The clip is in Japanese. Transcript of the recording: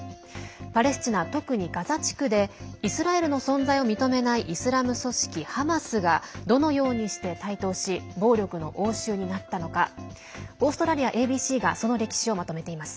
パレスチナ、特にガザ地区でイスラエルの存在を認めないイスラム組織ハマスがどのようにして台頭し暴力の応酬になったのかオーストラリアＡＢＣがその歴史をまとめています。